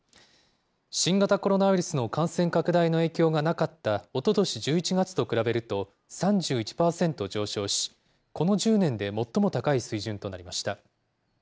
新型コロナウイルスの感染拡大の影響がなかったおととし１１月と比べると３１％上昇し、この１０年で最も高い水準となりました。